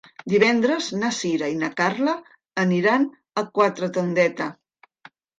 Divendres na Sira i na Carla aniran a Quatretondeta.